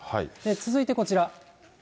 続いてこちら。